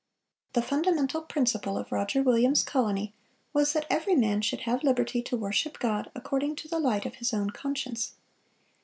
The fundamental principle of Roger Williams's colony, was "that every man should have liberty to worship God according to the light of his own conscience."